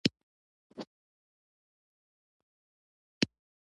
زه به سبا مکتب ته لاړ شم.